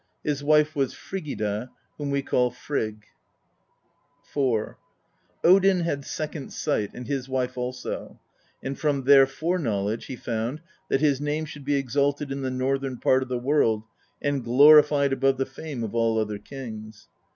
His wife was Frigida, whom we call Frigg. IV Odin had second sight, and his wife also; and from their foreknowledge he found that his name should be exalted in the northern part of the world and glorified above the fame of all other kings.